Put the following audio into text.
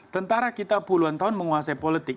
tentara kita puluhan tahun menguasai politik